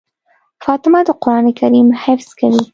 فاطمه د قرآن کريم حفظ کوي.